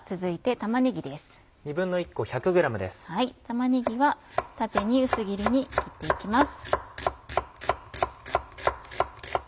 玉ねぎは縦に薄切りに切って行きます。